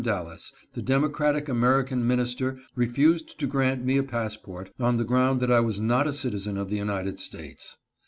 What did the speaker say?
Dallas, the Democratic American minister, refused to grant me a passport, on the ground that I was not a citi zen of the United States.